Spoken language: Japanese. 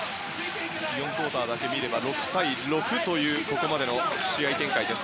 第４クオーターだけ見れば６対６というここまでの試合展開です。